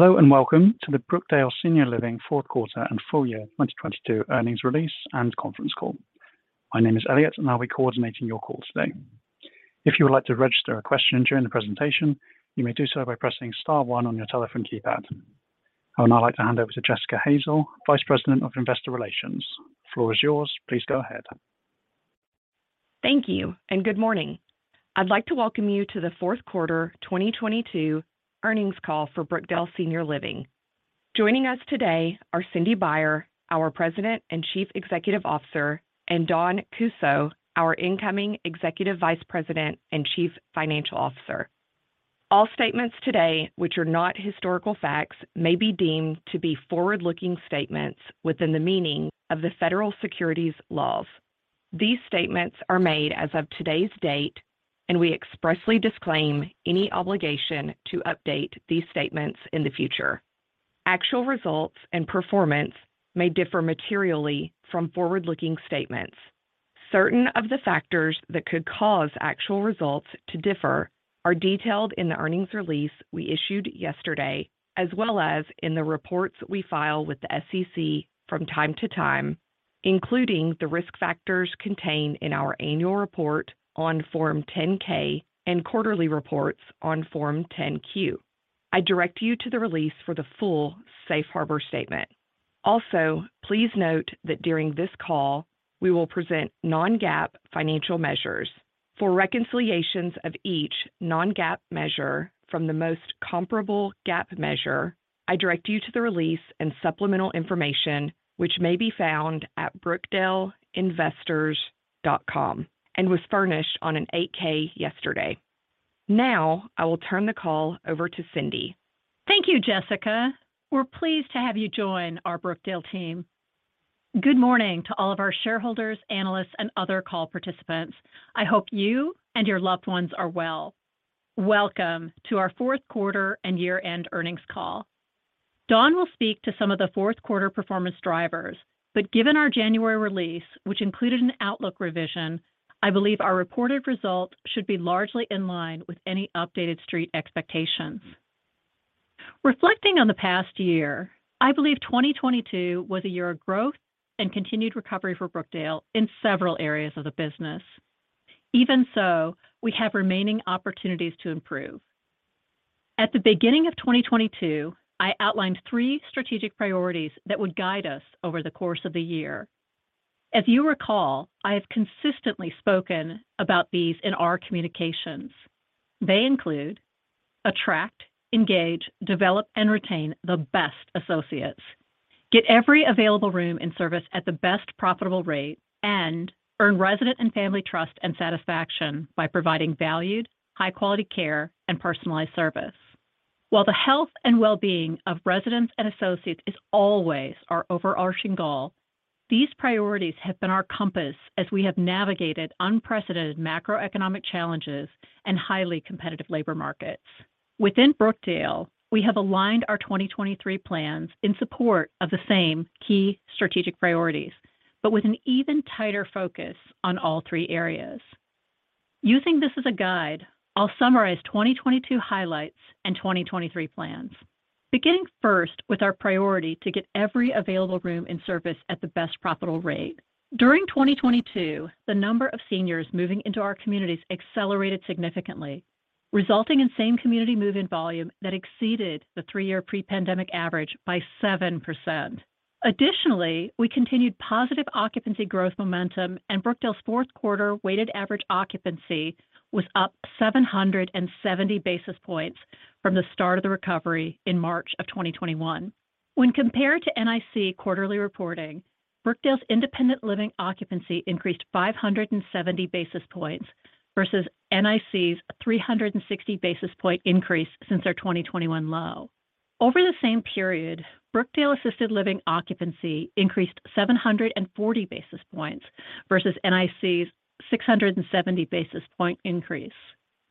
Hello, welcome to the Brookdale Senior Living Fourth Quarter and Full Year 2022 Earnings Release and Conference Call. My name is Elliot. I'll be coordinating your call today. If you would like to register a question during the presentation, you may do so by pressing star one on your telephone keypad. I would now like to hand over to Jessica Hazel, Vice President of Investor Relations. The floor is yours. Please go ahead. Thank you. Good morning. I'd like to welcome you to the 4th quarter 2022 earnings call for Brookdale Senior Living. Joining us today are Cindy Baier, our President and Chief Executive Officer, and Dawn Kussow, our incoming Executive Vice President and Chief Financial Officer. All statements today which are not historical facts may be deemed to be forward-looking statements within the meaning of the federal securities laws. These statements are made as of today's date. We expressly disclaim any obligation to update these statements in the future. Actual results and performance may differ materially from forward-looking statements. Certain of the factors that could cause actual results to differ are detailed in the earnings release we issued yesterday, as well as in the reports we file with the SEC from time to time, including the risk factors contained in our annual report on Form 10-K and quarterly reports on Form 10-Q. I direct you to the release for the full safe harbor statement. Also, please note that during this call, we will present non-GAAP financial measures. For reconciliations of each non-GAAP measure from the most comparable GAAP measure, I direct you to the release and supplemental information which may be found at brookdaleinvestors.com and was furnished on a Form 8-K yesterday. Now, I will turn the call over to Cindy. Thank you, Jessica. We're pleased to have you join our Brookdale team. Good morning to all of our shareholders, analysts, and other call participants. I hope you and your loved ones are well. Welcome to our fourth quarter and year-end earnings call. Don will speak to some of the fourth quarter performance drivers, but given our January release, which included an outlook revision, I believe our reported results should be largely in line with any updated Street expectations. Reflecting on the past year, I believe 2022 was a year of growth and continued recovery for Brookdale in several areas of the business. Even so, we have remaining opportunities to improve. At the beginning of 2022, I outlined three strategic priorities that would guide us over the course of the year. If you recall, I have consistently spoken about these in our communications. They include attract, engage, develop, and retain the best associates, get every available room in service at the best profitable rate, and earn resident and family trust and satisfaction by providing valued, high-quality care and personalized service. While the health and well-being of residents and associates is always our overarching goal, these priorities have been our compass as we have navigated unprecedented macroeconomic challenges and highly competitive labor markets. Within Brookdale, we have aligned our 2023 plans in support of the same key strategic priorities, with an even tighter focus on all three areas. Using this as a guide, I'll summarize 2022 highlights and 2023 plans. Beginning first with our priority to get every available room in service at the best profitable rate. During 2022, the number of seniors moving into our communities accelerated significantly, resulting in same-community move-in volume that exceeded the three-year pre-pandemic average by 7%. Additionally, we continued positive occupancy growth momentum, and Brookdale's fourth quarter weighted average occupancy was up 770 basis points from the start of the recovery in March of 2021. When compared to NIC quarterly reporting, Brookdale's independent living occupancy increased 570 basis points versus NIC's 360 basis point increase since their 2021 low. Over the same period, Brookdale assisted living occupancy increased 740 basis points versus NIC's 670 basis point increase.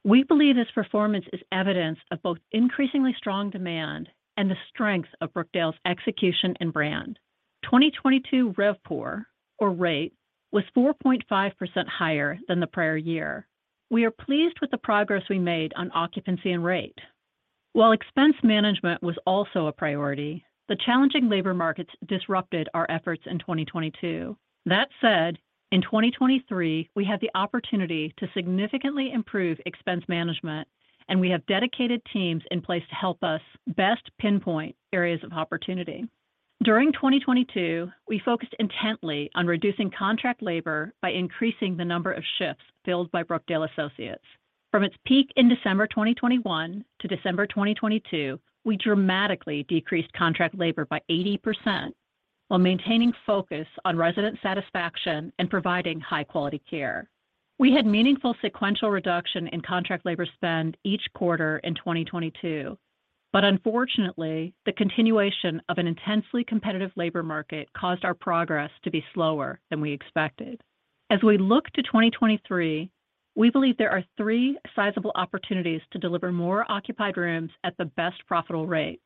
We believe this performance is evidence of both increasingly strong demand and the strength of Brookdale's execution and brand. 2022 REVPOR, or rate, was 4.5% higher than the prior year. We are pleased with the progress we made on occupancy and rate. While expense management was also a priority, the challenging labor markets disrupted our efforts in 2022. In 2023, we have the opportunity to significantly improve expense management, and we have dedicated teams in place to help us best pinpoint areas of opportunity. During 2022, we focused intently on reducing contract labor by increasing the number of shifts filled by Brookdale associates. From its peak in December 2021 to December 2022, we dramatically decreased contract labor by 80% while maintaining focus on resident satisfaction and providing high-quality care. We had meaningful sequential reduction in contract labor spend each quarter in 2022, but unfortunately, the continuation of an intensely competitive labor market caused our progress to be slower than we expected. As we look to 2023, we believe there are three sizable opportunities to deliver more occupied rooms at the best profitable rate.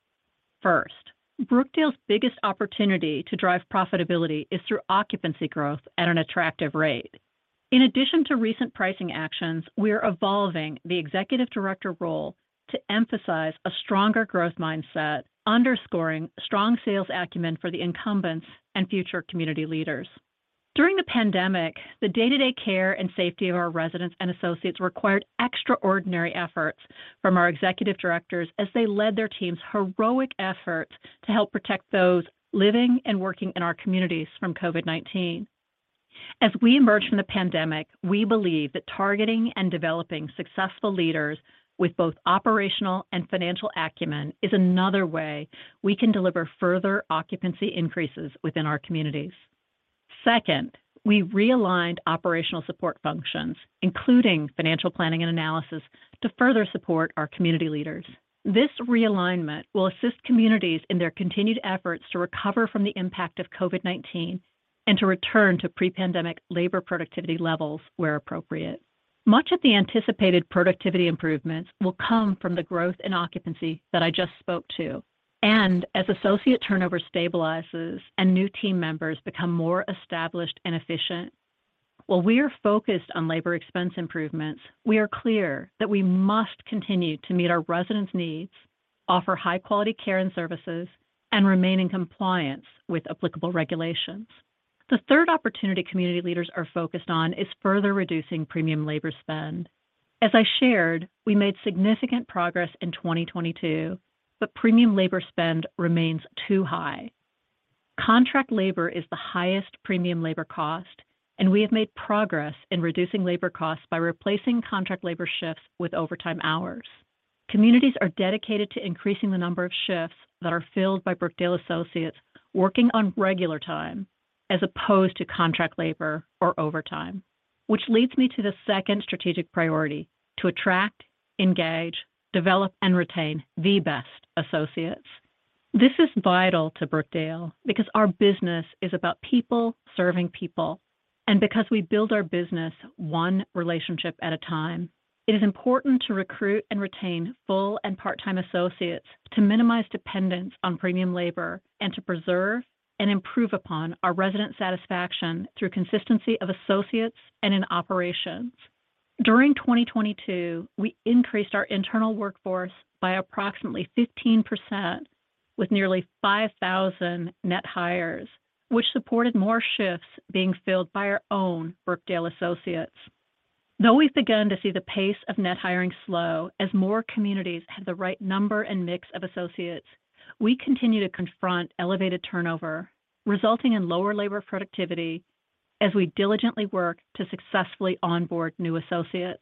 First, Brookdale's biggest opportunity to drive profitability is through occupancy growth at an attractive rate. In addition to recent pricing actions, we are evolving the executive director role to emphasize a stronger growth mindset, underscoring strong sales acumen for the incumbents and future community leaders. During the pandemic, the day-to-day care and safety of our residents and associates required extraordinary efforts from our executive directors as they led their teams' heroic efforts to help protect those living and working in our communities from COVID-19. As we emerge from the pandemic, we believe that targeting and developing successful leaders with both operational and financial acumen is another way we can deliver further occupancy increases within our communities. Second, we realigned operational support functions, including financial planning and analysis, to further support our community leaders. This realignment will assist communities in their continued efforts to recover from the impact of COVID-19 and to return to pre-pandemic labor productivity levels where appropriate. Much of the anticipated productivity improvements will come from the growth in occupancy that I just spoke to, and as associate turnover stabilizes and new team members become more established and efficient. While we are focused on labor expense improvements, we are clear that we must continue to meet our residents' needs, offer high-quality care and services, and remain in compliance with applicable regulations. The third opportunity community leaders are focused on is further reducing premium labor spend. As I shared, we made significant progress in 2022, but premium labor spend remains too high. Contract labor is the highest premium labor cost, and we have made progress in reducing labor costs by replacing contract labor shifts with overtime hours. Communities are dedicated to increasing the number of shifts that are filled by Brookdale associates working on regular time as opposed to contract labor or overtime. Which leads me to the second strategic priority, to attract, engage, develop, and retain the best associates. This is vital to Brookdale because our business is about people serving people and because we build our business one relationship at a time. It is important to recruit and retain full and part-time associates to minimize dependence on premium labor and to preserve and improve upon our resident satisfaction through consistency of associates and in operations. During 2022, we increased our internal workforce by approximately 15% with nearly 5,000 net hires, which supported more shifts being filled by our own Brookdale associates. We've begun to see the pace of net hiring slow as more communities have the right number and mix of associates, we continue to confront elevated turnover, resulting in lower labor productivity as we diligently work to successfully onboard new associates.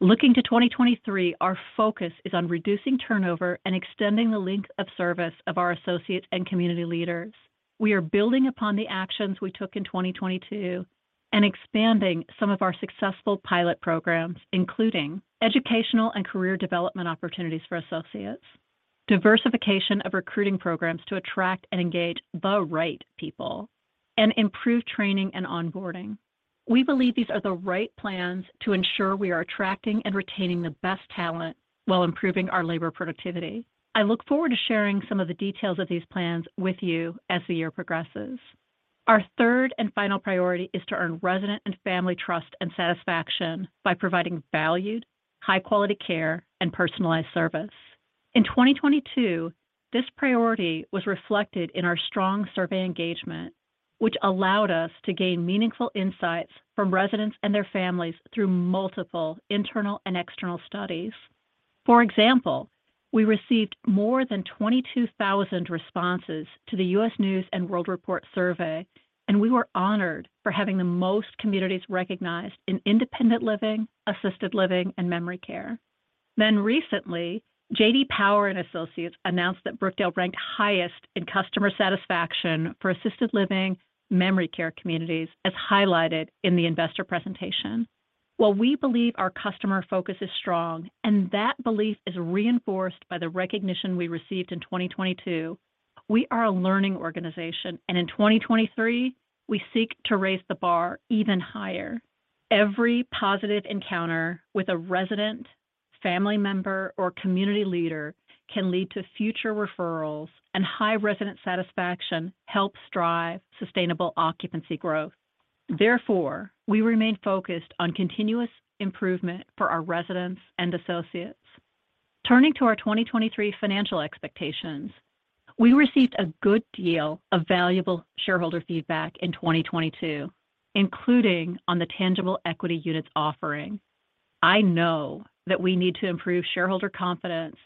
Looking to 2023, our focus is on reducing turnover and extending the length of service of our associates and community leaders. We are building upon the actions we took in 2022 and expanding some of our successful pilot programs, including educational and career development opportunities for associates, diversification of recruiting programs to attract and engage the right people, and improve training and onboarding. We believe these are the right plans to ensure we are attracting and retaining the best talent while improving our labor productivity. I look forward to sharing some of the details of these plans with you as the year progresses. Our third and final priority is to earn resident and family trust and satisfaction by providing valued, high-quality care and personalized service. In 2022, this priority was reflected in our strong survey engagement, which allowed us to gain meaningful insights from residents and their families through multiple internal and external studies. For example, we received more than 22,000 responses to the U.S. News & World Report survey, and we were honored for having the most communities recognized in independent living, assisted living, and memory care. Recently, J.D. Power and Associates announced that Brookdale ranked highest in customer satisfaction for assisted living memory care communities, as highlighted in the investor presentation. While we believe our customer focus is strong and that belief is reinforced by the recognition we received in 2022, we are a learning organization, and in 2023, we seek to raise the bar even higher. Every positive encounter with a resident, family member, or community leader can lead to future referrals, and high resident satisfaction helps drive sustainable occupancy growth. Therefore, we remain focused on continuous improvement for our residents and associates. Turning to our 2023 financial expectations, we received a good deal of valuable shareholder feedback in 2022, including on the Tangible Equity Units offering. I know that we need to improve shareholder confidence,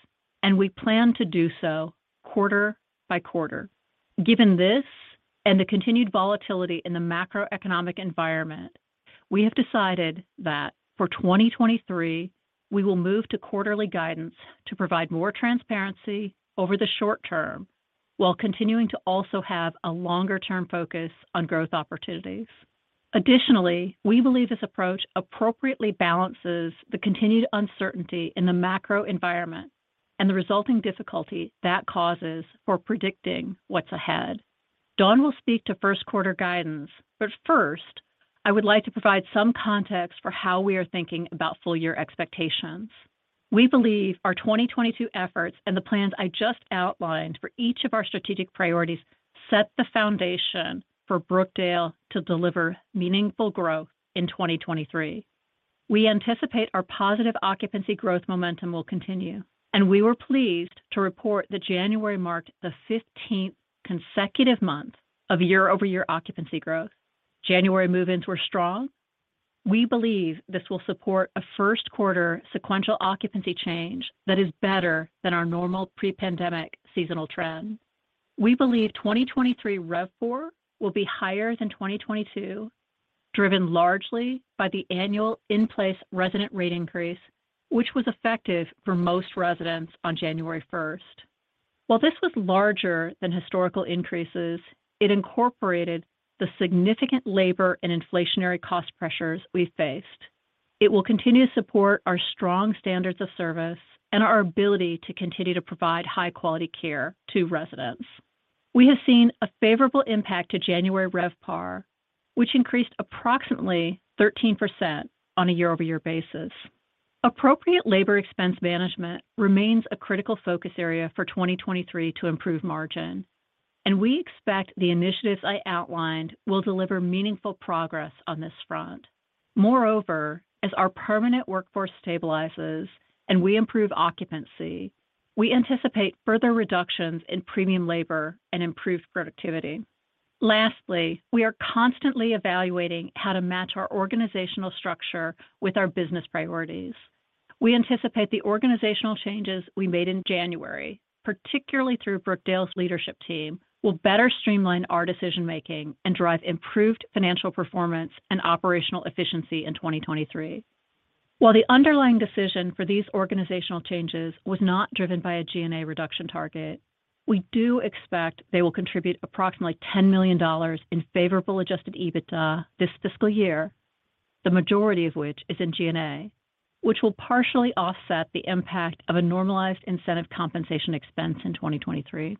and we plan to do so quarter by quarter. Given this and the continued volatility in the macroeconomic environment, we have decided that for 2023, we will move to quarterly guidance to provide more transparency over the short term while continuing to also have a longer-term focus on growth opportunities. We believe this approach appropriately balances the continued uncertainty in the macro environment and the resulting difficulty that causes for predicting what's ahead. Dawn will speak to first quarter guidance, first, I would like to provide some context for how we are thinking about full year expectations. We believe our 2022 efforts and the plans I just outlined for each of our strategic priorities set the foundation for Brookdale to deliver meaningful growth in 2023. We anticipate our positive occupancy growth momentum will continue, and we were pleased to report that January marked the 15th consecutive month of year-over-year occupancy growth. January move-ins were strong. We believe this will support a first quarter sequential occupancy change that is better than our normal pre-pandemic seasonal trend. We believe 2023 RevPOR will be higher than 2022, driven largely by the annual in-place resident rate increase, which was effective for most residents on January first. This was larger than historical increases, it incorporated the significant labor and inflationary cost pressures we faced. It will continue to support our strong standards of service and our ability to continue to provide high quality care to residents. We have seen a favorable impact to January RevPAR, which increased approximately 13% on a year-over-year basis. Appropriate labor expense management remains a critical focus area for 2023 to improve margin. We expect the initiatives I outlined will deliver meaningful progress on this front. As our permanent workforce stabilizes and we improve occupancy, we anticipate further reductions in premium labor and improved productivity. Lastly, we are constantly evaluating how to match our organizational structure with our business priorities. We anticipate the organizational changes we made in January, particularly through Brookdale's leadership team, will better streamline our decision-making and drive improved financial performance and operational efficiency in 2023. While the underlying decision for these organizational changes was not driven by a G&A reduction target, we do expect they will contribute approximately $10 million in favorable Adjusted EBITDA this fiscal year, the majority of which is in G&A, which will partially offset the impact of a normalized incentive compensation expense in 2023.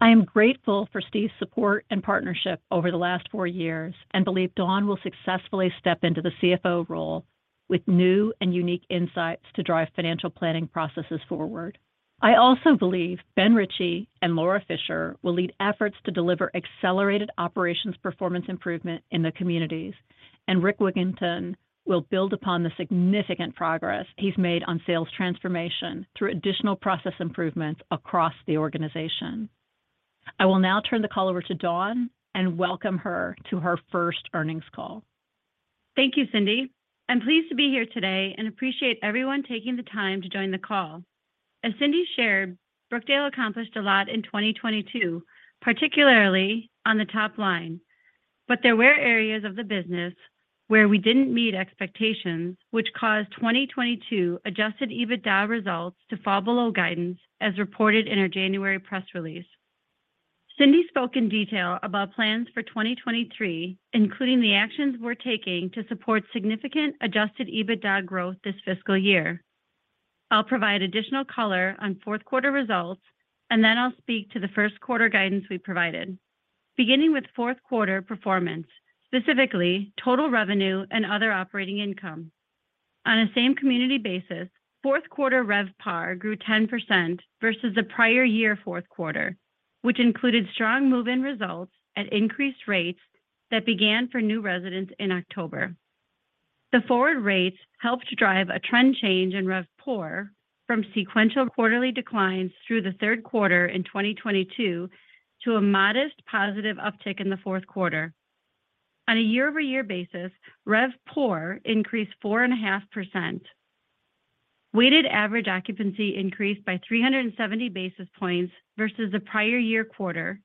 I am grateful for Steve's support and partnership over the last 4 years and believe Dawn will successfully step into the CFO role with new and unique insights to drive financial planning processes forward. I also believe Ben Ricci and Laura Fischer will lead efforts to deliver accelerated operations performance improvement in the communities, and Rick Wigginton will build upon the significant progress he's made on sales transformation through additional process improvements across the organization. I will now turn the call over to Dawn and welcome her to her first earnings call. Thank you, Cindy. I'm pleased to be here today and appreciate everyone taking the time to join the call. As Cindy shared, Brookdale accomplished a lot in 2022, particularly on the top line. There were areas of the business where we didn't meet expectations, which caused 2022 Adjusted EBITDA results to fall below guidance as reported in our January press release. Cindy spoke in detail about plans for 2023, including the actions we're taking to support significant Adjusted EBITDA growth this fiscal year. I'll provide additional color on fourth quarter results, and then I'll speak to the first quarter guidance we provided. Beginning with fourth quarter performance, specifically total revenue and other operating income. On a same community basis, fourth quarter RevPAR grew 10% versus the prior year fourth quarter, which included strong move-in results at increased rates that began for new residents in October. The forward rates helped drive a trend change in RevPOR from sequential quarterly declines through the third quarter in 2022 to a modest positive uptick in the fourth quarter. On a year-over-year basis, RevPOR increased 4.5%. Weighted average occupancy increased by 370 basis points versus the prior year quarter,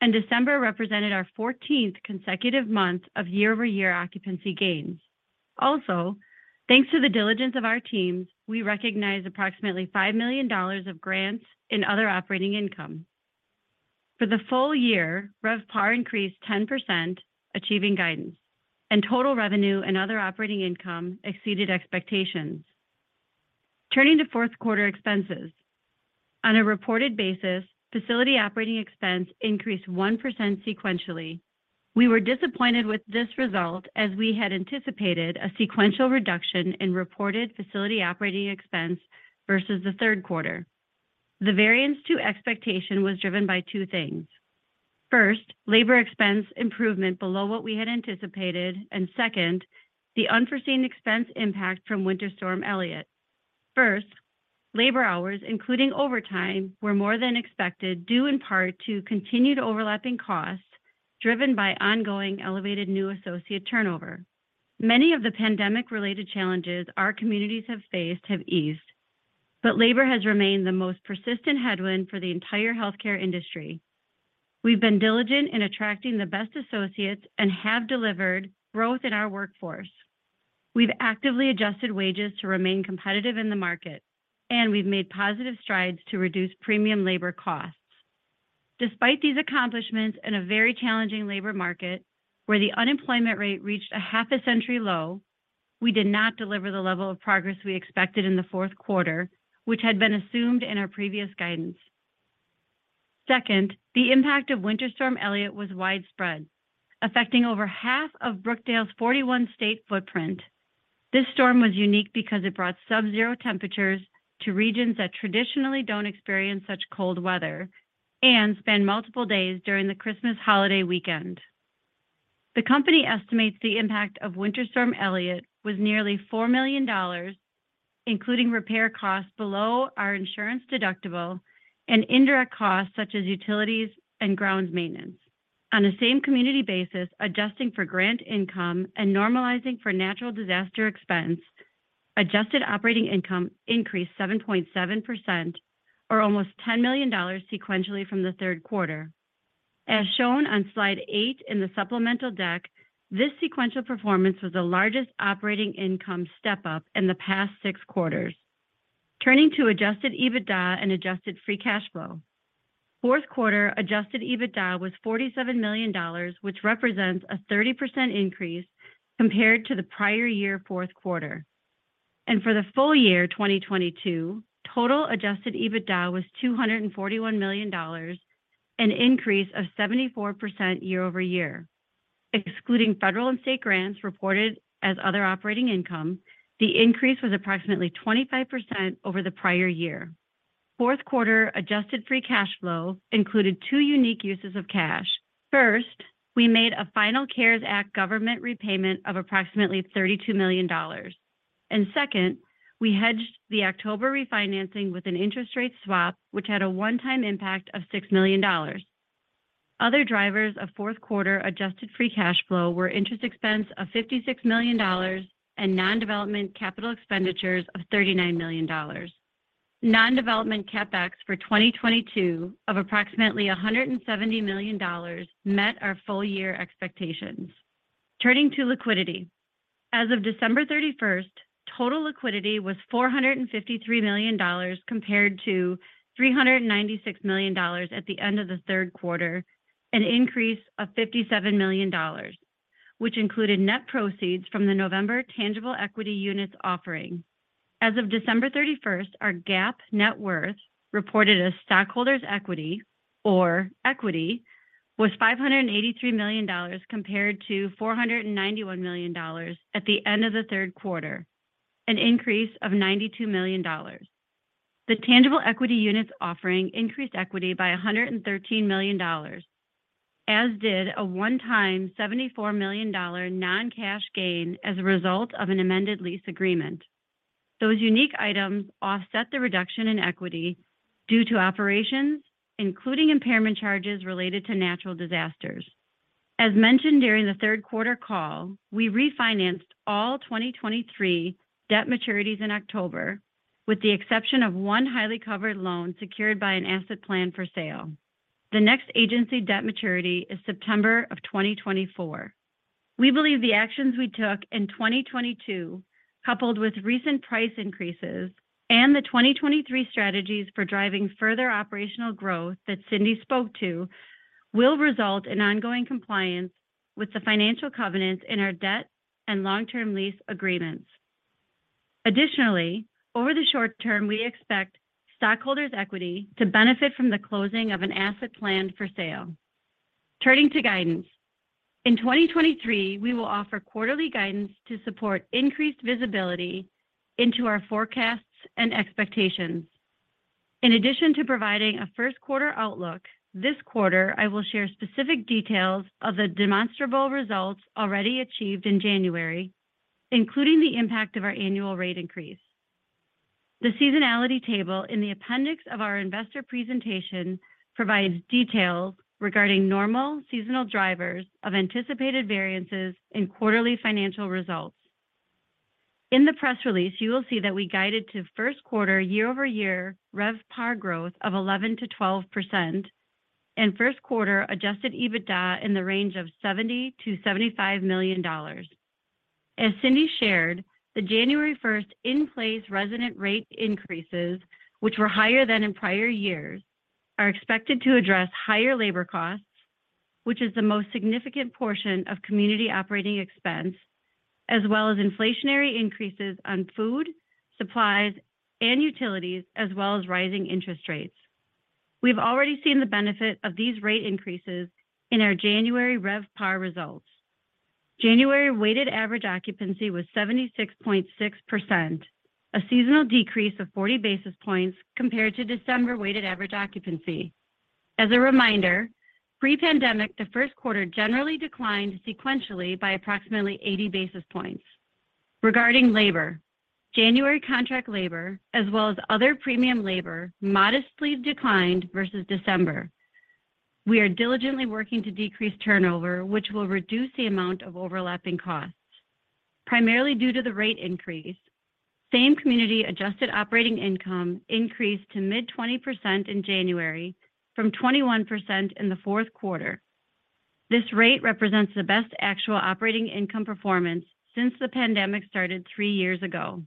and December represented our 14th consecutive month of year-over-year occupancy gains. Thanks to the diligence of our teams, we recognized approximately $5 million of grants in other operating income. For the full year, RevPAR increased 10%, achieving guidance, and total revenue and other operating income exceeded expectations. Turning to fourth quarter expenses. On a reported basis, facility operating expense increased 1% sequentially. We were disappointed with this result as we had anticipated a sequential reduction in reported facility operating expense versus the third quarter. The variance to expectation was driven by two things. First, labor expense improvement below what we had anticipated, and second, the unforeseen expense impact from Winter Storm Elliott. First, labor hours, including overtime, were more than expected, due in part to continued overlapping costs driven by ongoing elevated new associate turnover. Many of the pandemic-related challenges our communities have faced have eased, but labor has remained the most persistent headwind for the entire healthcare industry. We've been diligent in attracting the best associates and have delivered growth in our workforce. We've actively adjusted wages to remain competitive in the market, and we've made positive strides to reduce premium labor costs. Despite these accomplishments in a very challenging labor market where the unemployment rate reached a half a century low, we did not deliver the level of progress we expected in the fourth quarter, which had been assumed in our previous guidance. Second, the impact of Winter Storm Elliott was widespread, affecting over half of Brookdale's 41 state footprint. This storm was unique because it brought subzero temperatures to regions that traditionally don't experience such cold weather and spanned multiple days during the Christmas holiday weekend. The company estimates the impact of Winter Storm Elliott was nearly $4 million, including repair costs below our insurance deductible and indirect costs such as utilities and grounds maintenance. On a same community basis, adjusting for grant income and normalizing for natural disaster expense, Adjusted Operating Income increased 7.7% or almost $10 million sequentially from the third quarter. As shown on slide 8 in the supplemental deck, this sequential performance was the largest operating income step-up in the past 6 quarters. Turning to Adjusted EBITDA and Adjusted Free Cash Flow. Fourth quarter Adjusted EBITDA was $47 million, which represents a 30% increase compared to the prior year fourth quarter. For the full year 2022, total Adjusted EBITDA was $241 million, an increase of 74% year-over-year. Excluding federal and state grants reported as other operating income, the increase was approximately 25% over the prior year. Fourth quarter Adjusted Free Cash Flow included two unique uses of cash. First, we made a final CARES Act government repayment of approximately $32 million. Second, we hedged the October refinancing with an interest rate swap which had a one-time impact of $6 million. Other drivers of fourth quarter Adjusted Free Cash Flow were interest expense of $56 million and non-development capital expenditures of $39 million. Non-development CapEx for 2022 of approximately $170 million met our full year expectations. Turning to liquidity. As of December 31st, total liquidity was $453 million compared to $396 million at the end of the third quarter, an increase of $57 million, which included net proceeds from the November Tangible Equity Units offering. As of December 31st, our GAAP net worth, reported as stockholders' equity or equity, was $583 million compared to $491 million at the end of the third quarter, an increase of $92 million. The Tangible Equity Units offering increased equity by $113 million, as did a one-time $74 million non-cash gain as a result of an amended lease agreement. Those unique items offset the reduction in equity due to operations, including impairment charges related to natural disasters. As mentioned during the third quarter call, we refinanced all 2023 debt maturities in October, with the exception of one highly covered loan secured by an asset plan for sale. The next agency debt maturity is September of 2024. We believe the actions we took in 2022, coupled with recent price increases and the 2023 strategies for driving further operational growth that Cindy spoke to, will result in ongoing compliance with the financial covenants in our debt and long-term lease agreements. Additionally, over the short term, we expect stockholders' equity to benefit from the closing of an asset plan for sale. Turning to guidance. In 2023, we will offer quarterly guidance to support increased visibility into our forecasts and expectations. In addition to providing a first quarter outlook, this quarter I will share specific details of the demonstrable results already achieved in January, including the impact of our annual rate increase. The seasonality table in the appendix of our investor presentation provides details regarding normal seasonal drivers of anticipated variances in quarterly financial results. In the press release, you will see that we guided to first quarter year-over-year RevPAR growth of 11%-12% and first quarter Adjusted EBITDA in the range of 70 million-$75 million. As Cindy shared, the January first in-place resident rate increases, which were higher than in prior years, are expected to address higher labor costs, which is the most significant portion of community operating expense, as well as inflationary increases on food, supplies, and utilities, as well as rising interest rates. We've already seen the benefit of these rate increases in our January RevPAR results. January weighted average occupancy was 76.6%, a seasonal decrease of 40 basis points compared to December weighted average occupancy. As a reminder, pre-pandemic, the first quarter generally declined sequentially by approximately 80 basis points. Regarding labor, January contract labor, as well as other premium labor, modestly declined versus December. We are diligently working to decrease turnover, which will reduce the amount of overlapping costs. Primarily due to the rate increase, same community Adjusted Operating Income increased to mid 20% in January from 21% in the fourth quarter. This rate represents the best actual operating income performance since the pandemic started 3 years ago.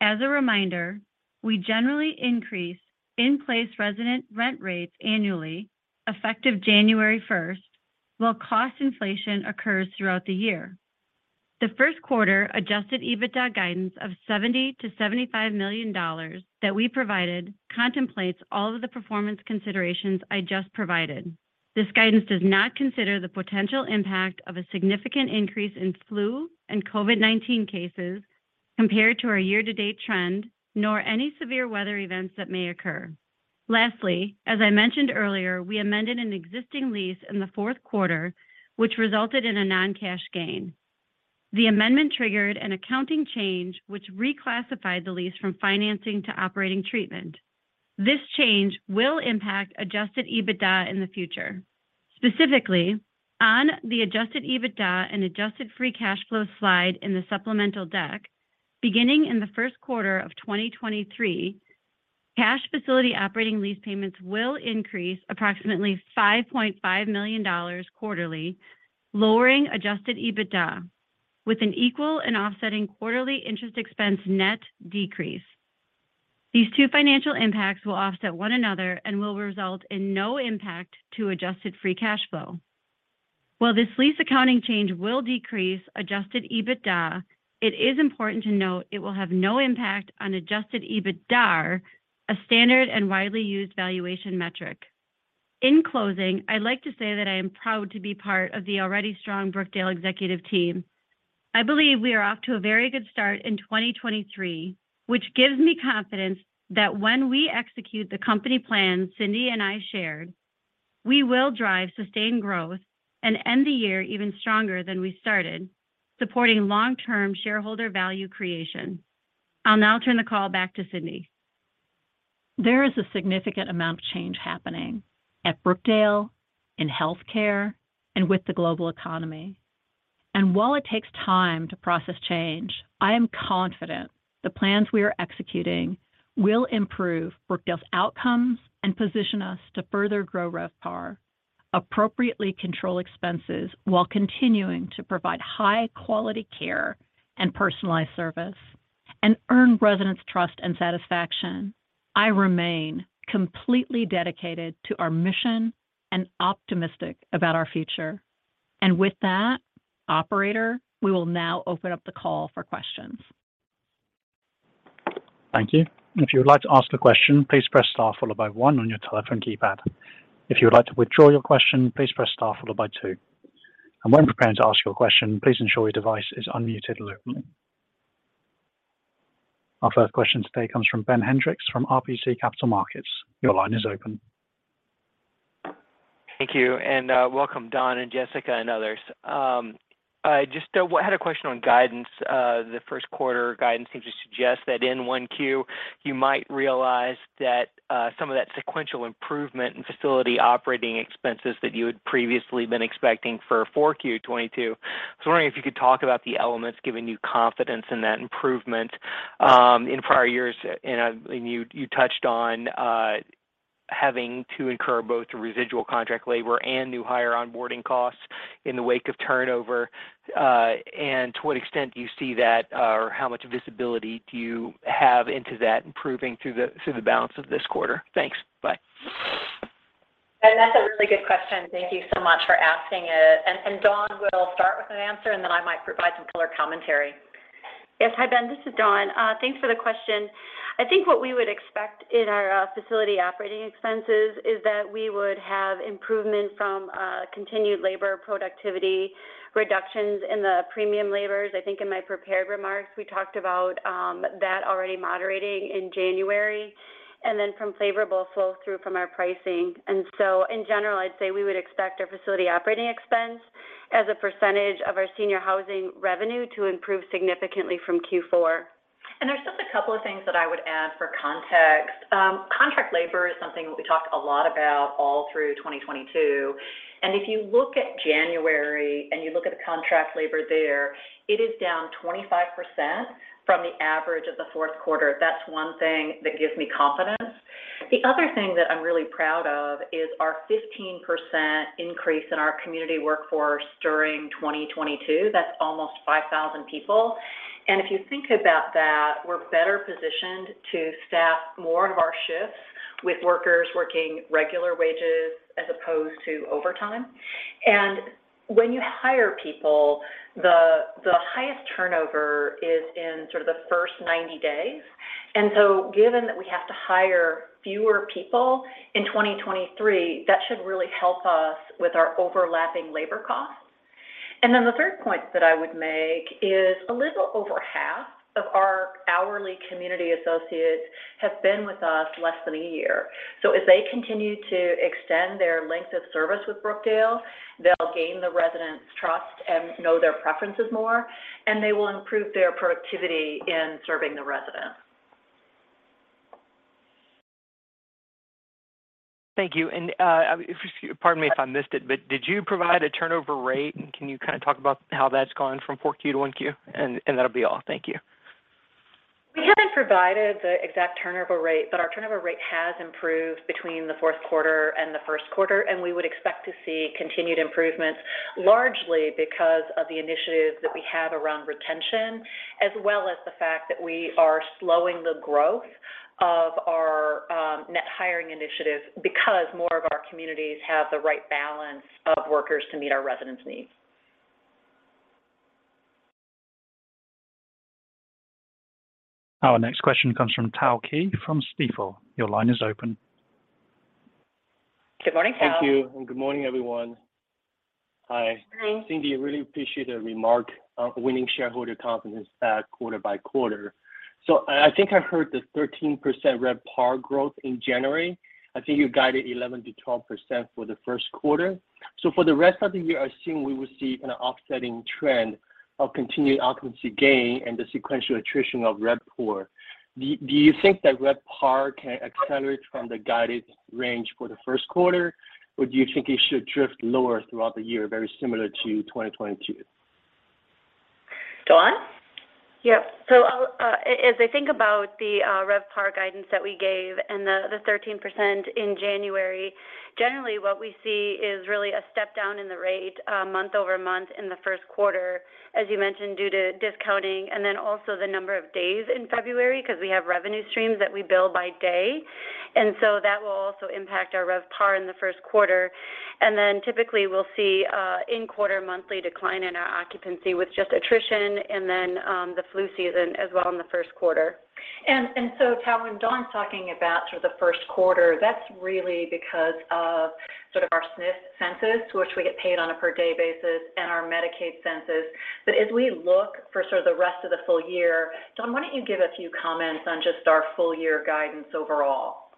As a reminder, we generally increase in-place resident rent rates annually effective January 1st, while cost inflation occurs throughout the year. The first quarter Adjusted EBITDA guidance of 70 million-$75 million that we provided contemplates all of the performance considerations I just provided. This guidance does not consider the potential impact of a significant increase in flu and COVID-19 cases compared to our year-to-date trend, nor any severe weather events that may occur. Lastly, as I mentioned earlier, we amended an existing lease in the fourth quarter, which resulted in a non-cash gain. The amendment triggered an accounting change which reclassified the lease from financing to operating treatment. This change will impact Adjusted EBITDA in the future. Specifically, on the Adjusted EBITDA and Adjusted Free Cash Flow slide in the supplemental deck, beginning in the first quarter of 2023, cash facility operating lease payments will increase approximately $5.5 million quarterly, lowering Adjusted EBITDA with an equal and offsetting quarterly interest expense net decrease. These two financial impacts will offset one another and will result in no impact to Adjusted Free Cash Flow. While this lease accounting change will decrease Adjusted EBITDA, it is important to note it will have no impact on Adjusted EBITDAR, a standard and widely used valuation metric. In closing, I'd like to say that I am proud to be part of the already strong Brookdale executive team. I believe we are off to a very good start in 2023, which gives me confidence that when we execute the company plan Cindy and I shared, we will drive sustained growth and end the year even stronger than we started, supporting long-term shareholder value creation. I'll now turn the call back to Cindy. There is a significant amount of change happening at Brookdale, in healthcare, and with the global economy. While it takes time to process change, I am confident the plans we are executing will improve Brookdale's outcomes and position us to further grow RevPAR, appropriately control expenses while continuing to provide high-quality care and personalized service, and earn residents' trust and satisfaction. I remain completely dedicated to our mission and optimistic about our future. With that, operator, we will now open up the call for questions. Thank you. If you would like to ask a question, please press star followed by one on your telephone keypad. If you would like to withdraw your question, please press star followed by two. When preparing to ask your question, please ensure your device is unmuted locally. Our first question today comes from Ben Hendrix from RBC Capital Markets. Your line is open. Thank you. Welcome, Dawn and Jessica and others. I just had a question on guidance. The first quarter guidance seems to suggest that in 1Q, you might realize that some of that sequential improvement in facility operating expenses that you had previously been expecting for 4Q 2022. I was wondering if you could talk about the elements giving you confidence in that improvement in prior years. You touched on having to incur both residual contract labor and new hire onboarding costs in the wake of turnover. To what extent do you see that, or how much visibility do you have into that improving through the balance of this quarter? Thanks. Bye. That's a really good question. Thank you so much for asking it. Dawn will start with an answer, and then I might provide some color commentary. Yes. Hi, Ben. This is Dawn. Thanks for the question. I think what we would expect in our facility operating expenses is that we would have improvement from continued labor productivity reductions in the premium labors. I think in my prepared remarks, we talked about that already moderating in January, and then from favorable flow through from our pricing. In general, I'd say we would expect our facility operating expense as a percentage of our senior housing revenue to improve significantly from Q4. There's just a couple of things that I would add for context. Contract labor is something we talked a lot about all through 2022. If you look at January and you look at the contract labor there, it is down 25% from the average of the fourth quarter. That's one thing that gives me confidence. The other thing that I'm really proud of is our 15% increase in our community workforce during 2022. That's almost 5,000 people. If you think about that, we're better positioned to staff more of our shifts with workers working regular wages as opposed to overtime. When you hire people, the highest turnover is in sort of the first 90 days. Given that we have to hire fewer people in 2023, that should really help us with our overlapping labor costs. The third point that I would make is a little over half of our hourly community associates have been with us less than a year. As they continue to extend their length of service with Brookdale, they'll gain the residents' trust and know their preferences more, and they will improve their productivity in serving the residents. Thank you. Pardon me if I missed it, but did you provide a turnover rate? Can you kinda talk about how that's gone from 4Q to 1Q, and that'll be all. Thank you. We haven't provided the exact turnover rate, but our turnover rate has improved between the fourth quarter and the first quarter, and we would expect to see continued improvements largely because of the initiatives that we have around retention, as well as the fact that we are slowing the growth of our net hiring initiatives because more of our communities have the right balance of workers to meet our residents' needs. Our next question comes from Tao Qiu from Stifel. Your line is open. Good morning, Tao. Thank you, and good morning, everyone. Hi. Morning. Cindy, I really appreciate the remark of winning shareholder confidence back quarter by quarter. I think I heard the 13% RevPAR growth in January. I think you guided 11%-12% for the first quarter. For the rest of the year, I assume we will see an offsetting trend of continued occupancy gain and the sequential attrition of RevPOR. Do you think that RevPAR can accelerate from the guided range for the first quarter, or do you think it should drift lower throughout the year, very similar to 2022? Dawn? Yep. I'll, as I think about the RevPAR guidance that we gave and the 13% in January, generally what we see is really a step down in the rate month-over-month in the first quarter, as you mentioned, due to discounting and also the number of days in February because we have revenue streams that we bill by day. That will also impact our RevPAR in the first quarter. Typically, we'll see in quarter monthly decline in our occupancy with just attrition and the flu season as well in the first quarter. Tao, when Dawn's talking about sort of the first quarter, that's really because of sort of our SNF census, which we get paid on a per-day basis and our Medicaid census. As we look for sort of the rest of the full year, Dawn, why don't you give a few comments on just our full year guidance overall?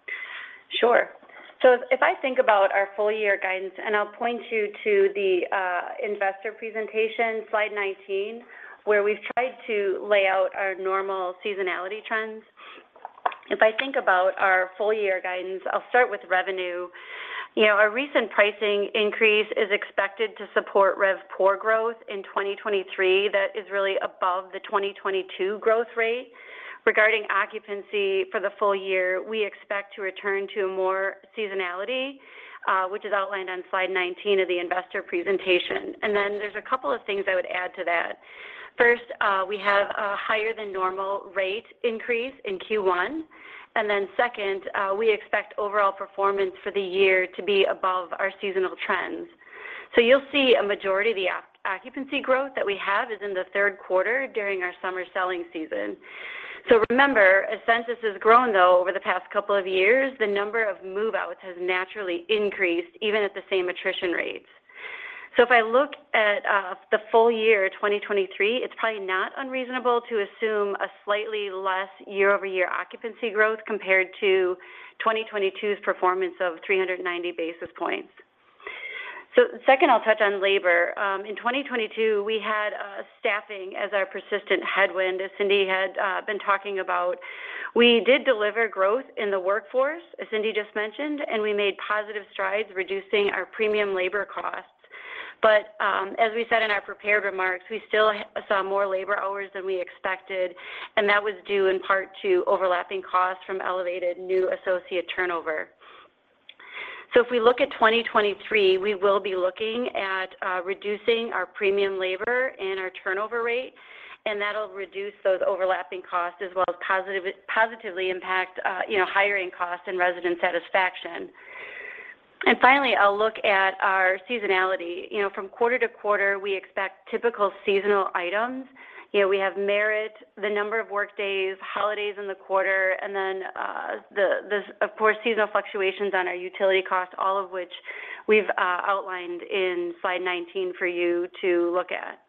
Sure. If I think about our full year guidance, and I'll point you to the investor presentation, slide 19, where we've tried to lay out our normal seasonality trends. If I think about our full year guidance, I'll start with revenue. You know, our recent pricing increase is expected to support RevPOR growth in 2023 that is really above the 2022 growth rate. Regarding occupancy for the full year, we expect to return to more seasonality, which is outlined on slide 19 of the investor presentation. There's a couple of things I would add to that. First, we have a higher than normal rate increase in Q1. Second, we expect overall performance for the year to be above our seasonal trends. You'll see a majority of the occupancy growth that we have is in the third quarter during our summer selling season. Remember, as census has grown, though, over the past couple of years, the number of move-outs has naturally increased even at the same attrition rates. If I look at the full year 2023, it's probably not unreasonable to assume a slightly less year-over-year occupancy growth compared to 2022's performance of 390 basis points. Second, I'll touch on labor. In 2022, we had staffing as our persistent headwind, as Cindy had been talking about. We did deliver growth in the workforce, as Cindy just mentioned, and we made positive strides reducing our premium labor costs. As we said in our prepared remarks, we still saw more labor hours than we expected, and that was due in part to overlapping costs from elevated new associate turnover. If we look at 2023, we will be looking at reducing our premium labor and our turnover rate, and that'll reduce those overlapping costs as well as positively impact, you know, hiring costs and resident satisfaction. Finally, I'll look at our seasonality. You know, from quarter to quarter, we expect typical seasonal items. You know, we have merit, the number of work days, holidays in the quarter, and then, of course, seasonal fluctuations on our utility costs, all of which we've outlined in slide 19 for you to look at.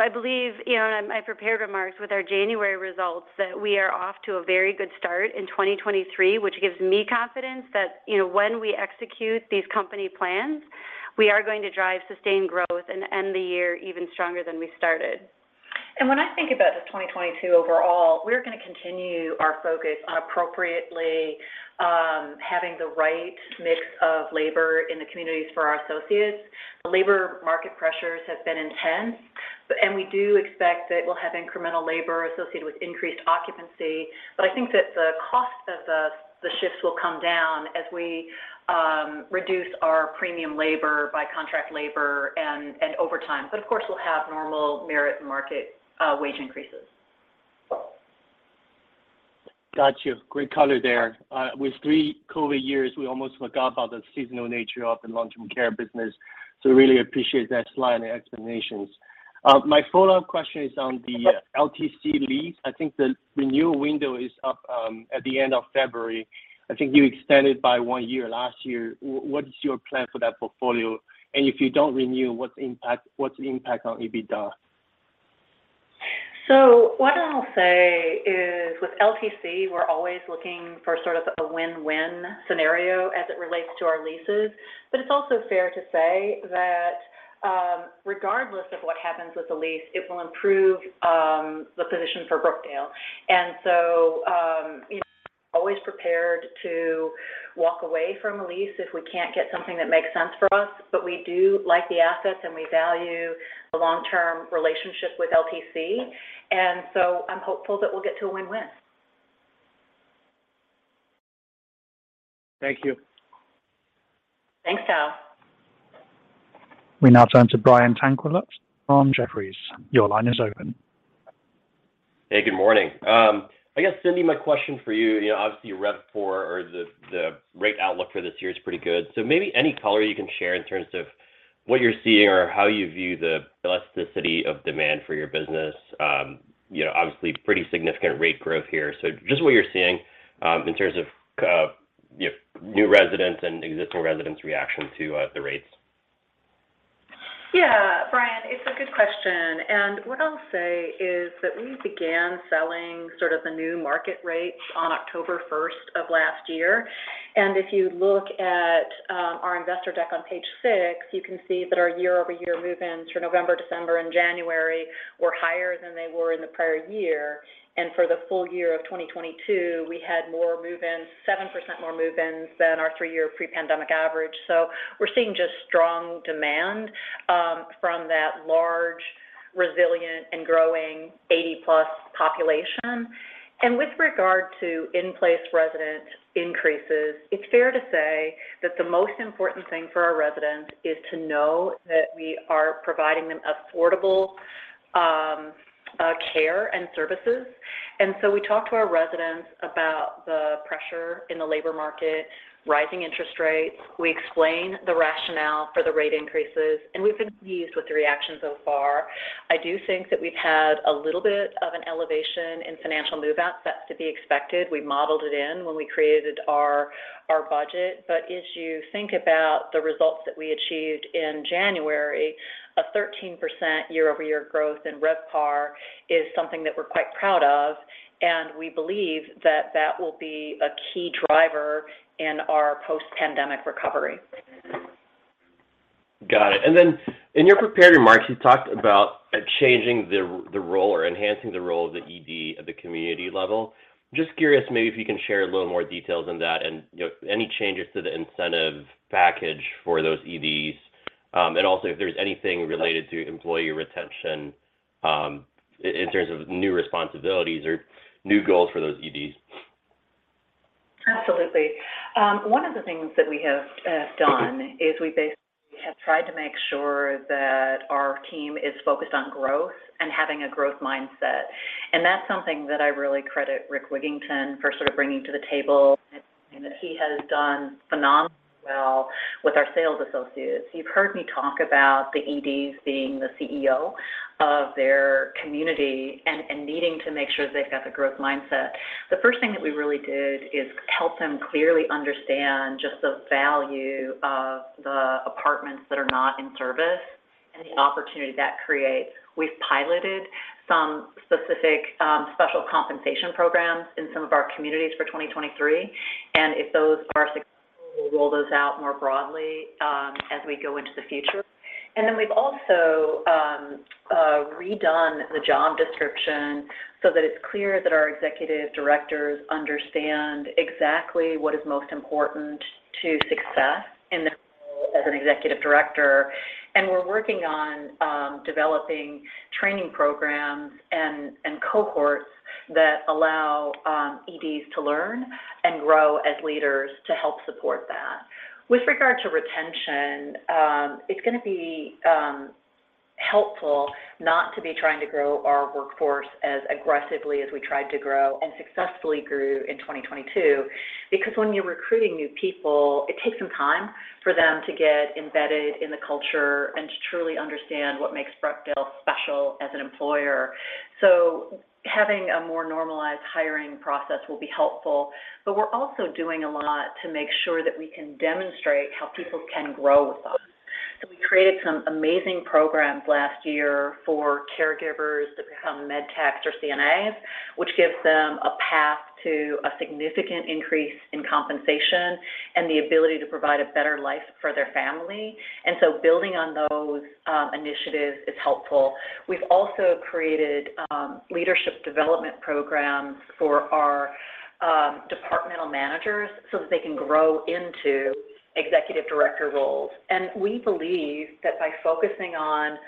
I believe, you know, in my prepared remarks with our January results that we are off to a very good start in 2023, which gives me confidence that, you know, when we execute these company plans, we are going to drive sustained growth and end the year even stronger than we started. When I think about just 2022 overall, we're gonna continue our focus on appropriately having the right mix of labor in the communities for our associates. Labor market pressures have been intense. We do expect that we'll have incremental labor associated with increased occupancy. I think that the cost of the shifts will come down as we reduce our premium labor by contract labor and overtime. Of course, we'll have normal merit market wage increases. Got you. Great color there. With three COVID years, we almost forgot about the seasonal nature of the long-term care business. Really appreciate that slide and the explanations. My follow-up question is on the LTC lease. I think the renew window is up at the end of February. I think you extended by one year last year. What is your plan for that portfolio? If you don't renew, what's the impact on EBITDA? What I'll say is with LTC, we're always looking for sort of a win-win scenario as it relates to our leases. It's also fair to say that, regardless of what happens with the lease, it will improve, the position for Brookdale. You know, always prepared to walk away from a lease if we can't get something that makes sense for us. We do like the assets, and we value a long-term relationship with LTC. I'm hopeful that we'll get to a win-win. Thank you. Thanks, Tao. We now turn to Brian Tanquilut from Jefferies. Your line is open. Hey, good morning. I guess, Cindy, my question for you know, obviously, your RevPAR or the rate outlook for this year is pretty good. Maybe any color you can share in terms of what you're seeing or how you view the elasticity of demand for your business. You know, obviously pretty significant rate growth here. Just what you're seeing, in terms of, you know, new residents' and existing residents' reaction to the rates. Yeah. Brian, it's a good question. What I'll say is that we began selling sort of the new market rates on October 1st of last year. If you look at our investor deck on page six, you can see that our year-over-year move-ins for November, December and January were higher than they were in the prior year. For the full year of 2022, we had more move-ins, 7% more move-ins than our three year pre-pandemic average. We're seeing just strong demand from that large, resilient and growing 80-plus population. With regard to in-place resident increases, it's fair to say that the most important thing for our residents is to know that we are providing them affordable care and services. We talk to our residents about the pressure in the labor market, rising interest rates. We explain the rationale for the rate increases, and we've been pleased with the reaction so far. I do think that we've had a little bit of an elevation in financial move-out. That's to be expected. We modeled it in when we created our budget. As you think about the results that we achieved in January, a 13% year-over-year growth in RevPAR is something that we're quite proud of, and we believe that that will be a key driver in our post-pandemic recovery. Got it. Then in your prepared remarks, you talked about changing the role or enhancing the role of the ED at the community level. Just curious maybe if you can share a little more details on that and, you know, any changes to the incentive package for those EDs. And also if there's anything related to employee retention, in terms of new responsibilities or new goals for those EDs. One of the things that we have done is we basically have tried to make sure that our team is focused on growth and having a growth mindset. That's something that I really credit Rick Wigginton for sort of bringing to the table. He has done phenomenally well with our sales associates. You've heard me talk about the EDs being the CEO of their community and needing to make sure they've got the growth mindset. The first thing that we really did is help them clearly understand just the value of the apartments that are not in service and the opportunity that creates. We've piloted some specific special compensation programs in some of our communities for 2023, and if those are successful, we'll roll those out more broadly as we go into the future. We've also redone the job description so that it's clear that our executive directors understand exactly what is most important to success in the role as an executive director. We're working on developing training programs and cohorts that allow EDs to learn and grow as leaders to help support that. With regard to retention, it's gonna be helpful not to be trying to grow our workforce as aggressively as we tried to grow and successfully grew in 2022. When you're recruiting new people, it takes some time for them to get embedded in the culture and to truly understand what makes Brookdale special as an employer. Having a more normalized hiring process will be helpful. We're also doing a lot to make sure that we can demonstrate how people can grow with us. We created some amazing programs last year for caregivers to become Med Techs or CNAs, which gives them a path to a significant increase in compensation and the ability to provide a better life for their family. Building on those initiatives is helpful. We've also created leadership development programs for our departmental managers so that they can grow into Executive Director roles. We believe that by focusing on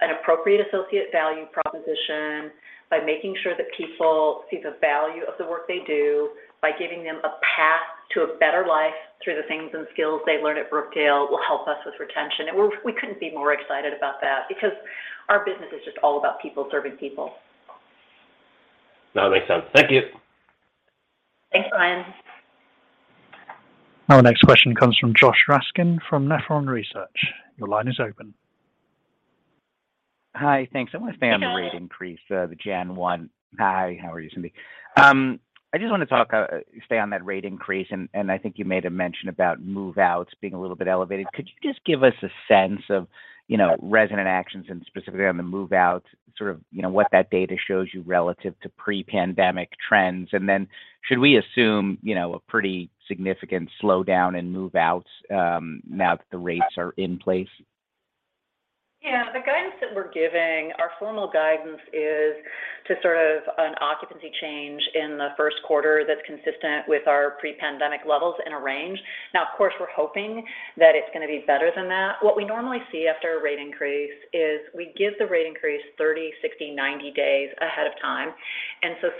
an appropriate associate value proposition, by making sure that people see the value of the work they do, by giving them a path to a better life through the things and skills they learn at Brookdale, will help us with retention. We couldn't be more excited about that because our business is just all about people serving people. No, it makes sense. Thank you. Thanks, Brian. Our next question comes from Josh Raskin from Nephron Research. Your line is open. Hi. Thanks. Hey, Josh. I want to stay on the rate increase, the January 1. Hi. How are you, Cindy? I just want to talk, stay on that rate increase. I think you made a mention about move-outs being a little bit elevated. Could you just give us a sense of, you know, resident actions and specifically on the move-out, sort of, you know, what that data shows you relative to pre-pandemic trends? Then should we assume, you know, a pretty significant slowdown in move-outs, now that the rates are in place? The guidance that we're giving, our formal guidance is to sort of an occupancy change in the first quarter that's consistent with our pre-pandemic levels in a range. Of course, we're hoping that it's gonna be better than that. What we normally see after a rate increase is we give the rate increase 30, 60, 90 days ahead of time.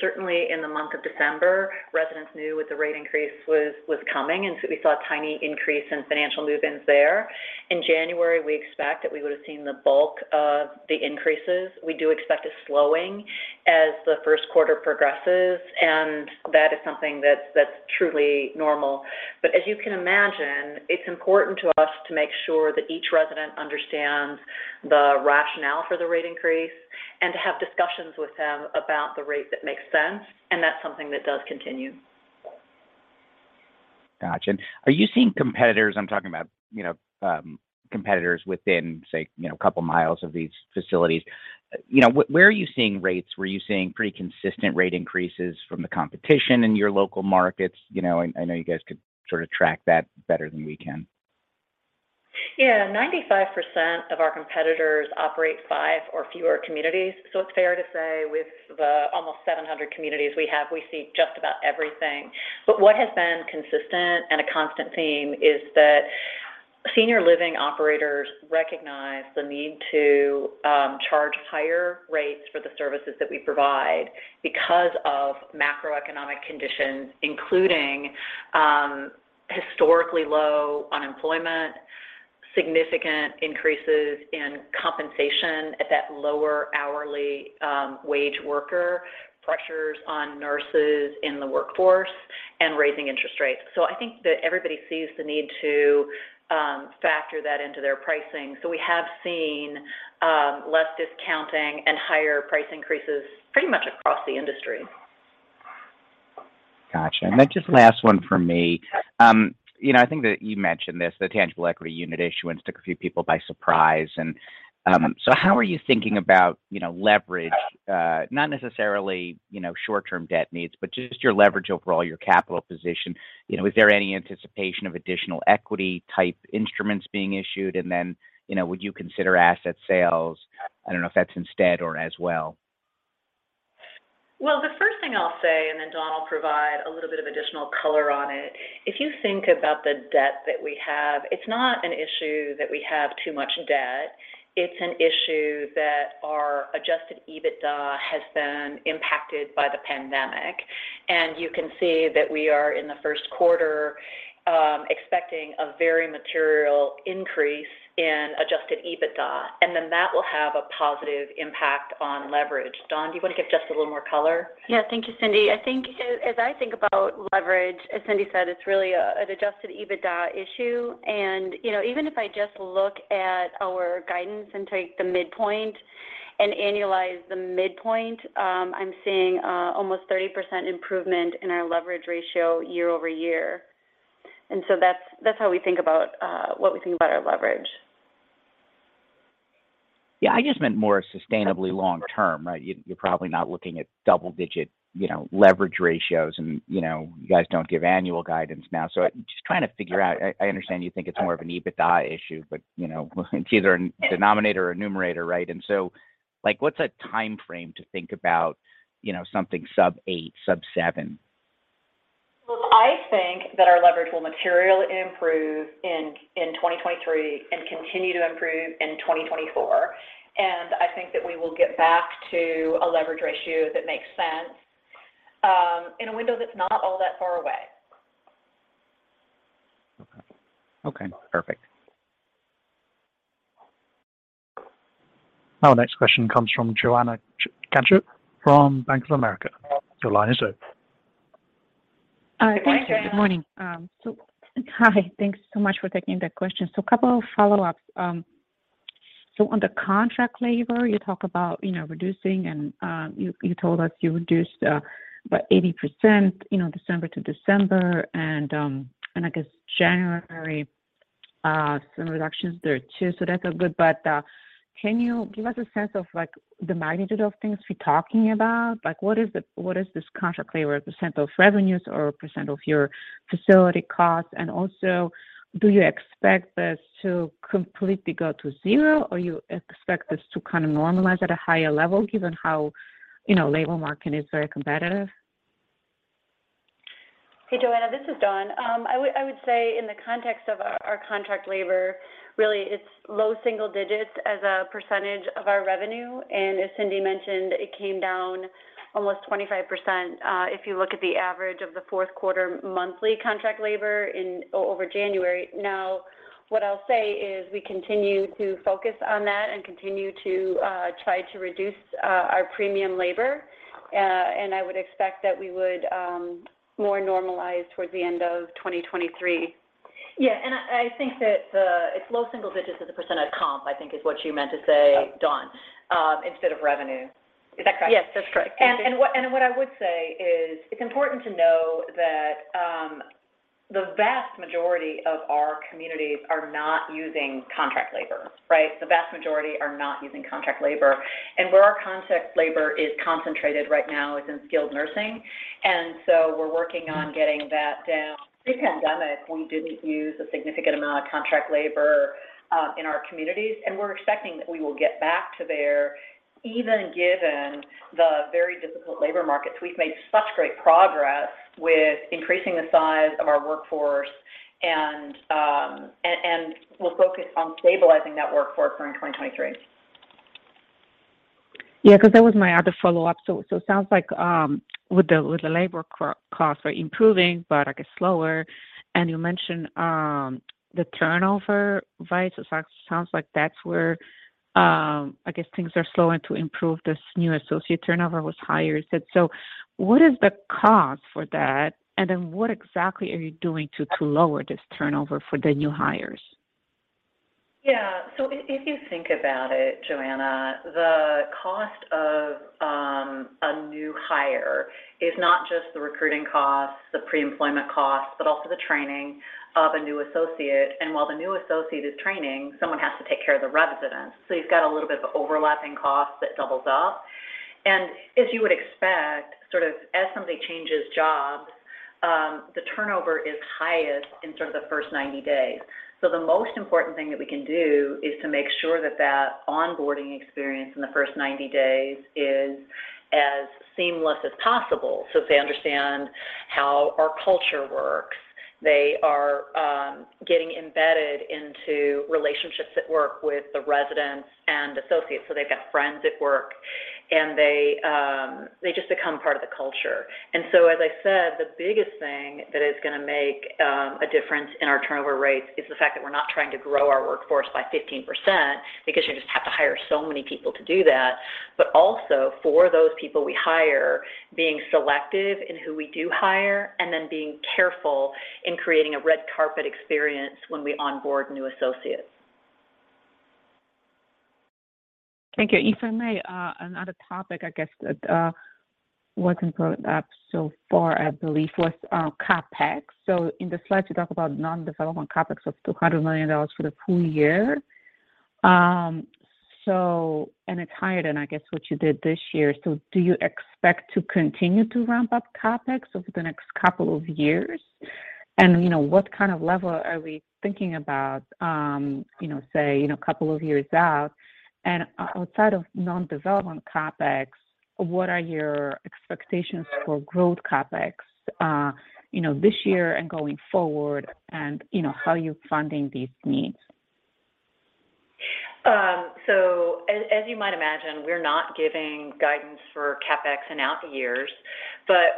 Certainly in the month of December, residents knew what the rate increase was coming, and so we saw a tiny increase in financial move-ins there. In January, we expect that we would have seen the bulk of the increases. We do expect a slowing as the first quarter progresses, and that is something that's truly normal. As you can imagine, it's important to us to make sure that each resident understands the rationale for the rate increase and to have discussions with them about the rate that makes sense, and that's something that does continue. Got you. Are you seeing competitors? I'm talking about, you know, competitors within, say, you know, a couple miles of these facilities. You know, where are you seeing rates? Were you seeing pretty consistent rate increases from the competition in your local markets? You know, I know you guys could sort of track that better than we can. 95% of our competitors operate five or fewer communities. It's fair to say with the almost 700 communities we have, we see just about everything. What has been consistent and a constant theme is that senior living operators recognize the need to charge higher rates for the services that we provide because of macroeconomic conditions, including historically low unemployment, significant increases in compensation at that lower hourly wage worker, pressures on nurses in the workforce, and raising interest rates. I think that everybody sees the need to factor that into their pricing. We have seen less discounting and higher price increases pretty much across the industry. Got you. Just last one from me. you know, I think that you mentioned this, the Tangible Equity Units issuance took a few people by surprise. How are you thinking about, you know, leverage, not necessarily, you know, short-term debt needs, but just your leverage overall, your capital position. You know, is there any anticipation of additional equity type instruments being issued? you know, would you consider asset sales? I don't know if that's instead or as well. The first thing I'll say, and then Dawn will provide a little bit of additional color on it. If you think about the debt that we have, it's not an issue that we have too much debt. It's an issue that our Adjusted EBITDA has been impacted by the pandemic. You can see that we are in the first quarter, expecting a very material increase in Adjusted EBITDA, and then that will have a positive impact on leverage. Dawn, do you want to give just a little more color? Yeah. Thank you, Cindy. I think as I think about leverage, as Cindy said, it's really an Adjusted EBITDA issue. You know, even if I just look at our guidance and take the midpoint and annualize the midpoint, I'm seeing almost 30% improvement in our leverage ratio year-over-year. That's how we think about what we think about our leverage. Yeah. I just meant more sustainably long term, right? You're probably not looking at double-digit, you know, leverage ratios and, you know, you guys don't give annual guidance now. Just trying to figure out. I understand you think it's more of an EBITDA issue, but, you know, it's either a denominator or numerator, right? Like, what's a time frame to think about, you know, something sub 8, sub 7? Look, I think that our leverage will materially improve in 2023 and continue to improve in 2024. I think that we will get back to a leverage ratio that makes sense in a window that's not all that far away. Okay. Perfect. Our next question comes from Joanna Gajuk from Bank of America. Your line is open. Hi, Joanna. Good morning. Thank you. Good morning. Hi. Thanks so much for taking the question. A couple of follow-ups. On the contract labor, you talk about, you know, reducing and you told us you reduced about 80%, you know, December to December and I guess January, some reductions there too. That's all good. Can you give us a sense of, like, the magnitude of things we're talking about? What is this contract labor, a percent of revenues or a percent of your facility costs? Also, do you expect this to completely go to zero, or you expect this to kind of normalize at a higher level given how, you know, labor market is very competitive? Hey, Joanna Gajuk, this is Dawn Kussow. I would say in the context of our contract labor, really, it's low single digits as a percentage of our revenue. As Cindy mentioned, it came down almost 25%, if you look at the average of the fourth quarter monthly contract labor over January. What I'll say is we continue to focus on that and continue to try to reduce our premium labor. I would expect that we would more normalize towards the end of 2023. Yeah. I think that, it's low single digits as a % of comp, I think is what you meant to say, Dawn, instead of revenue. Is that correct? Yes, that's correct. What I would say is it's important to know that the vast majority of our communities are not using contract labor, right. The vast majority are not using contract labor. Where our contract labor is concentrated right now is in skilled nursing. We're working on getting that down. Pre-pandemic, we didn't use a significant amount of contract labor in our communities, and we're expecting that we will get back to there even given the very difficult labor markets. We've made such great progress with increasing the size of our workforce and we're focused on stabilizing that workforce for in 2023. Yeah, 'cause that was my other follow-up. It sounds like with the labor costs are improving but I guess slower. You mentioned the turnover rates. It sounds like that's where I guess things are slowing to improve. This new associate turnover was higher. What is the cause for that, and then what exactly are you doing to lower this turnover for the new hires? Yeah. If you think about it, Joanna, the cost of a new hire is not just the recruiting costs, the pre-employment costs, but also the training of a new associate. While the new associate is training, someone has to take care of the residents. You've got a little bit of overlapping costs that doubles up. As you would expect, sort of as somebody changes jobs, the turnover is highest in sort of the first 90 days. The most important thing that we can do is to make sure that that onboarding experience in the first 90 days is as seamless as possible so they understand how our culture works. They are getting embedded into relationships at work with the residents and associates, so they've got friends at work, and they just become part of the culture. As I said, the biggest thing that is gonna make a difference in our turnover rates is the fact that we're not trying to grow our workforce by 15% because you just have to hire so many people to do that. Also, for those people we hire, being selective in who we do hire and then being careful in creating a red carpet experience when we onboard new associates. Thank you. If I may, another topic I guess that wasn't brought up so far, I believe, was CapEx. In the slide, you talk about non-development CapEx of $200 million for the full year. It's higher than, I guess, what you did this year. Do you expect to continue to ramp up CapEx over the next couple of years? You know, what kind of level are we thinking about, you know, say, in a couple of years out? Outside of non-development CapEx, what are your expectations for growth CapEx, you know, this year and going forward? You know, how are you funding these needs? As, as you might imagine, we're not giving guidance for CapEx in out years.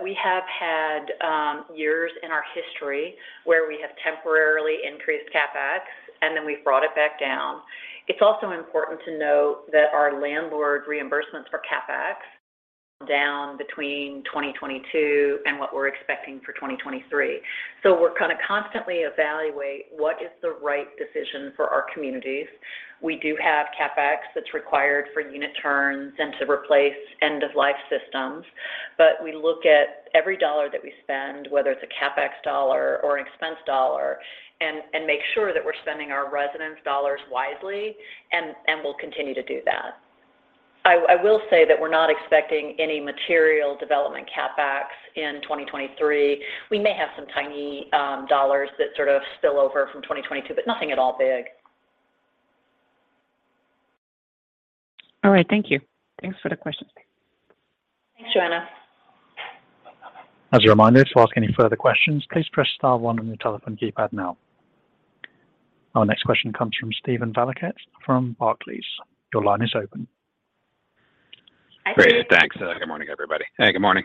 We have had years in our history where we have temporarily increased CapEx, and then we've brought it back down. It's also important to note that our landlord reimbursements for CapEx down between 2022 and what we're expecting for 2023. We're gonna constantly evaluate what is the right decision for our communities. We do have CapEx that's required for unit turns and to replace end-of-life systems. We look at every dollar that we spend, whether it's a CapEx dollar or an expense dollar, and make sure that we're spending our residents' dollars wisely, and we'll continue to do that. I will say that we're not expecting any material development CapEx in 2023. We may have some tiny, dollars that sort of spill over from 2022, but nothing at all big. All right. Thank you. Thanks for the questions. Thanks, Joanna. As a reminder, to ask any further questions, please press star one on your telephone keypad now. Our next question comes from Steven Valiquette from Barclays. Your line is open. Hi, Steven. Great. Thanks. Good morning, everybody. Hey, good morning.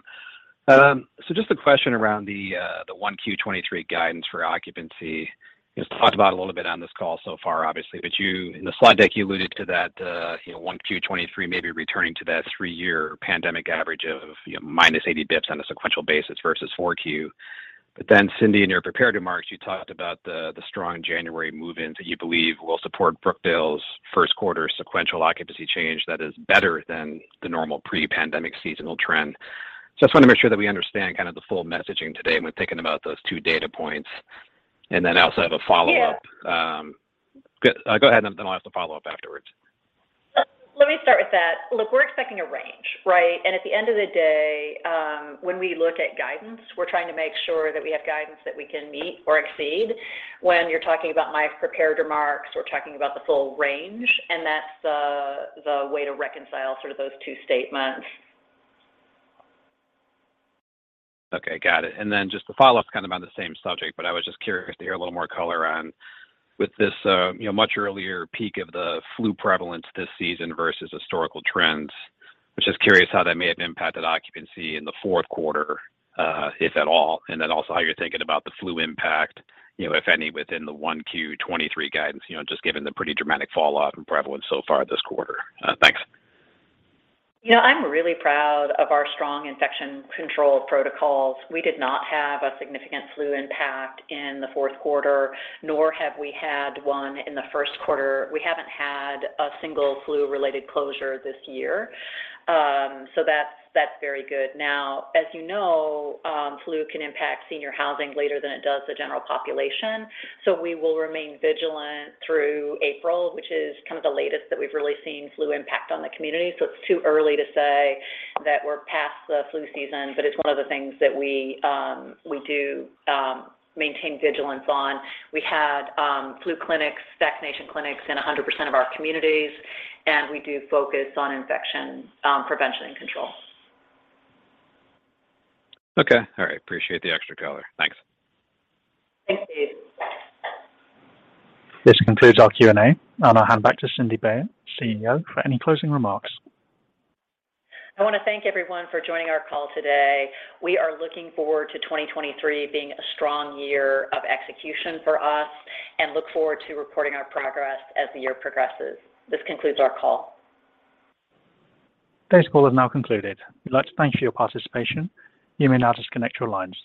Just a question around the 1Q 2023 guidance for occupancy. It's talked about a little bit on this call so far obviously, but in the slide deck, you alluded to that, 1Q 2023 may be returning to that three year pandemic average of minus 80 basis points on a sequential basis versus 4Q. Cindy, in your prepared remarks, you talked about the strong January move-ins that you believe will support Brookdale's 1st quarter sequential occupancy change that is better than the normal pre-pandemic seasonal trend. I just wanna make sure that we understand kind of the full messaging today when thinking about those two data points. I also have a follow-up. Yeah. Go ahead. I'll ask the follow-up afterwards. Let me start with that. Look, we're expecting a range, right? At the end of the day, when we look at guidance, we're trying to make sure that we have guidance that we can meet or exceed. When you're talking about my prepared remarks, we're talking about the full range, and that's the way to reconcile sort of those two statements. Okay. Got it. Just the follow-up's kind of on the same subject. I was just curious to hear a little more color on with this, you know, much earlier peak of the flu prevalence this season versus historical trends. Just curious how that may have impacted occupancy in the 4Q, if at all? Also how you're thinking about the flu impact, you know, if any, within the 1Q 2023 guidance, you know, just given the pretty dramatic fallout and prevalence so far this quarter? Thanks. You know, I'm really proud of our strong infection control protocols. We did not have a significant flu impact in the fourth quarter, nor have we had one in the first quarter. We haven't had a single flu-related closure this year, so that's very good. As you know, flu can impact senior housing later than it does the general population, so we will remain vigilant through April, which is kind of the latest that we've really seen flu impact on the community, so it's too early to say that we're past the flu season, but it's one of the things that we do maintain vigilance on. We had flu clinics, vaccination clinics in 100% of our communities, and we do focus on infection prevention and control. Okay. All right. Appreciate the extra color. Thanks. Thanks, Steve. This concludes our Q&A, and I'll hand back to Lucinda Baier, CEO, for any closing remarks. I wanna thank everyone for joining our call today. We are looking forward to 2023 being a strong year of execution for us and look forward to reporting our progress as the year progresses. This concludes our call. Today's call has now concluded. We'd like to thank you for your participation. You may now disconnect your lines.